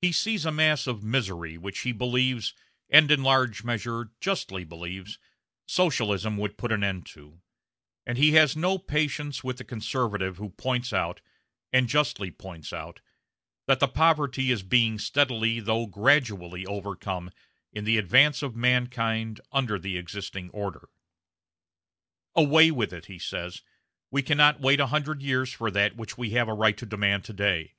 He sees a mass of misery which he believes and in large measure justly believes Socialism would put an end to; and he has no patience with the conservative who points out and justly points out that the poverty is being steadily, though gradually, overcome in the advance of mankind under the existing order. "Away with it," he says; "we cannot wait a hundred years for that which we have a right to demand today."